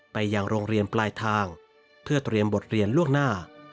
ไปยังโรงเรียนปลายทางเพื่อเตรียมบทเรียนล่วงหน้า